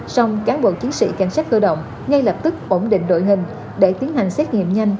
xong cán bộ chiến sĩ cảnh sát cơ động ngay lập tức ổn định đội hình để tiến hành xét nghiệm nhanh